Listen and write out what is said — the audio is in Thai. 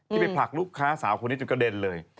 ไปผลักลูกค้าสาวคนนี้จนกระเด็นเลย